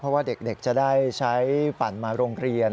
เพราะว่าเด็กจะได้ใช้ปั่นมาโรงเรียน